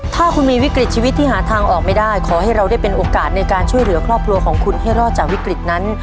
ถ้าคุณมีวิกฤตชีวิตที่หาทางออกไม่ได้ขอให้เราได้เป็นโอกาสในการช่วยเหลือครอบครัวของคุณให้รอดจากวิกฤตนั้น